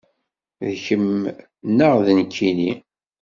D kemm neɣ d nekkini?